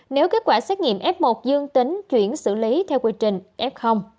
nếu kết quả xét nghiệm f một dương tính chuyển xử lý theo quy trình f